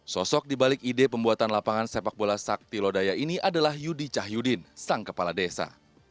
sosok dibalik ide pembuatan lapangan sepak bola sakti lodaya ini adalah yudi cahyudin sang kepala desa